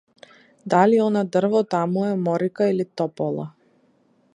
Дали она дрво таму е оморика или топола?